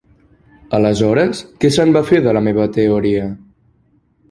Aleshores, què se'n va fer de la meva teoria?